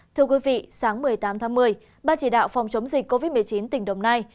thưa quý vị sáng một mươi tám tháng một mươi ban chỉ đạo phòng chống dịch covid một mươi chín tỉnh đồng nai